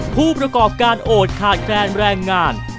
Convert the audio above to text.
ผู้ประกอบการโอดขาดแคลนแรงงาน